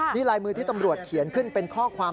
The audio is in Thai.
นี่ลายมือที่ตำรวจเขียนขึ้นเป็นข้อความ